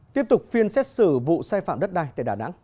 tiếp tục phiên xét xử vụ sai phạm đất đai tại đà nẵng